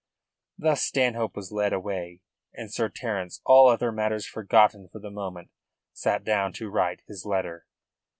Thus Stanhope was led away, and Sir Terence, all other matters forgotten for the moment, sat down to write his letter.